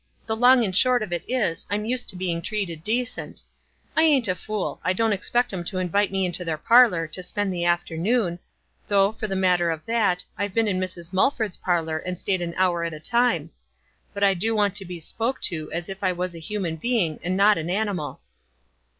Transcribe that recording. The long and short of it is, I'm used to being treated decent. I ain't a fool. I don't expect 'em to iuvite me into their parlor to spend the after WISE AND OTHERWISE. 157 uoon ; though, for the matter of that, I've been in Mrs. Mul ford's parlor and stayed an hour at a time ; but I do want to be spoke to as if I was a human being, and not an animal.'